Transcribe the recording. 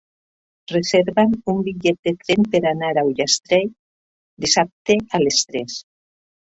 Reserva'm un bitllet de tren per anar a Ullastrell dissabte a les tres.